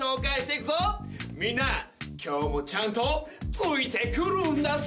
みんな今日もちゃんとついてくるんだぜ！